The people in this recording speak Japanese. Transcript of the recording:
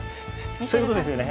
そういうことですよね。